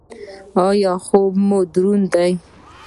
ایا خوب مو دروند دی؟